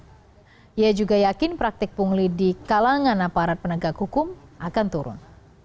dia juga yakin praktik pungli di kalangan aparat penegak hukum akan turun